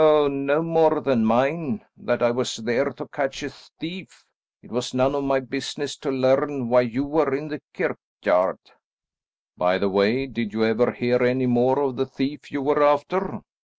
"Oh, no more than mine, that I was there to catch a thief. It was none of my business to learn why you were in the kirkyard." "By the way, did you ever hear any more of the thief you were after?"